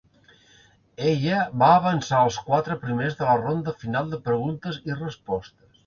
Ella va avançar als quatre primers de la ronda final de preguntes i respostes.